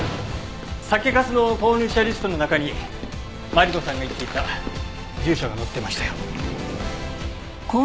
酒粕の購入者リストの中にマリコさんが言っていた住所が載ってましたよ。